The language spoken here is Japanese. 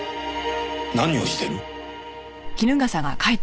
何をしてる？